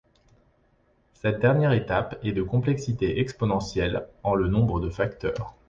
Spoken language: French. Cette dernière étape est de complexité exponentielle en le nombre de facteurs.